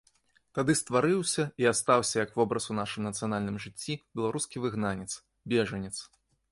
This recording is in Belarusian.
Тады стварыўся і астаўся як вобраз у нашым нацыянальным жыцці беларускі выгнанец, бежанец.